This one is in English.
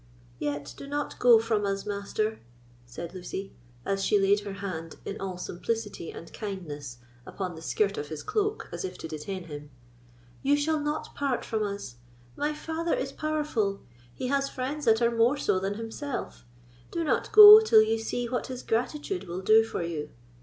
"Yet do not go from us, Master," said Lucy; and she laid her hand, in all simplicity and kindness, upon the skirt of his cloak, as if to detain him. "You shall not part from us. My father is powerful, he has friends that are more so than himself; do not go till you see what his gratitude will do for you.